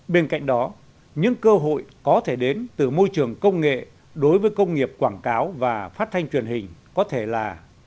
bên cạnh đó những cơ hội có thể đến từ môi trường công nghệ đối với công nghiệp quảng cáo và phát thanh truyền hình có thể là